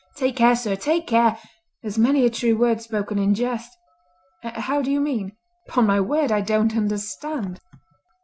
Take care, sir! take care! There's many a true word spoken in jest." "How do you mean? Pon my word I don't understand."